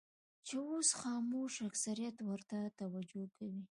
چې اوس خاموش اکثریت ورته توجه کوي.